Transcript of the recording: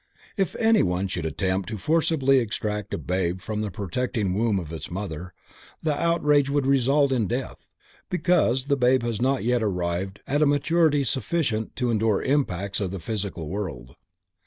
If anyone should attempt to forcibly extract a babe from the protecting womb of its mother, the outrage would result in death, because the babe has not yet arrived at a maturity sufficient to endure impacts of the Physical World.